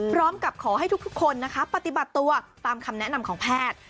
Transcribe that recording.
พร้อมกับขอให้ทุกคนนะคะปฏิบัติตัวตามคำแนะนำของแพทย์